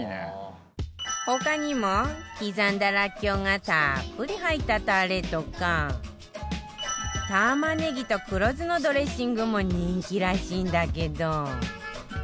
他にも刻んだらっきょうがたっぷり入ったタレとか玉ねぎと黒酢のドレッシングも人気らしいんだけど